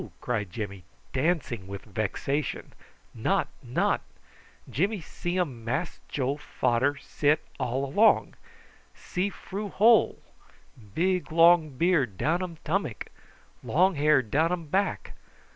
cried Jimmy, dancing with vexation. "Not, not. Jimmy see um Mass Joe fader sit all along. See froo hole. Big long beard down um tummuck long hair down um back.